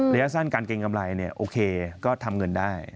ระยะสั้นการเกรงกำไรโอเคก็ทำเงินได้